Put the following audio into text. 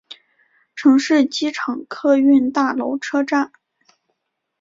城市机场客运大楼车站。